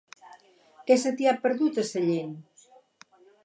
Què se t'hi ha perdut, a Sellent?